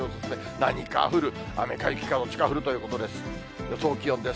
何か降る、雨か雪か、どっちか降るということです。